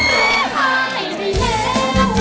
ร้องได้ให้ล้าง